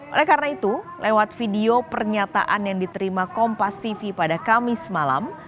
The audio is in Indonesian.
oleh karena itu lewat video pernyataan yang diterima kompas tv pada kamis malam